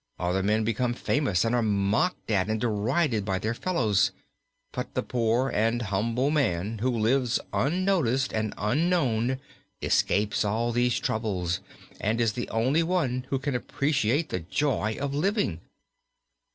Other men become famous, and are mocked at and derided by their fellows. But the poor and humble man who lives unnoticed and unknown escapes all these troubles and is the only one who can appreciate the joy of living."